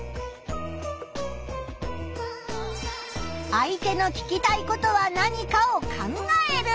相手の聞きたいことは何かを考える。